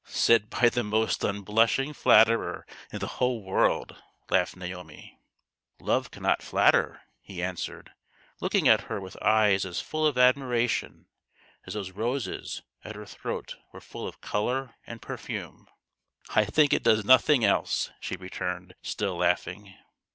" Said by the most unblushing flatterer in the whole world !" laughed Naomi. " Love cannot flatter," he answered, looking at her with eyes as full of admiration as those roses at her throat were full of colour and perfume. " I think it does nothing else," she returned, still laughing.